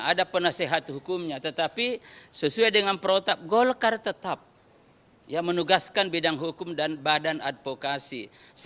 ada penasehat hukumnya tetapi sesuai dengan protap golkar tetap ya menugaskan bidang hukum dan badan advokasi